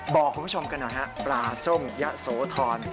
บอกคุณผู้ชมกันหน่อยฮะปลาส้มยะโสธร